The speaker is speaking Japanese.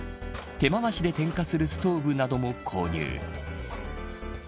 手回しで点火するストーブなども購入。